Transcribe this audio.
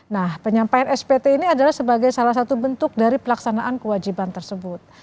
nah penyampaian spt ini adalah sebagai salah satu bentuk dari pelaksanaan kewajiban tersebut